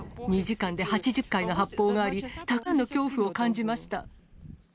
２時間で８０回の発砲があり、たくさんの恐怖を感じました。